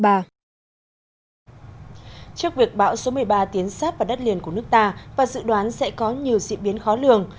trước việc bão số một mươi ba tiến sát vào đất liền của nước ta và dự đoán sẽ có nhiều diễn biến khó lường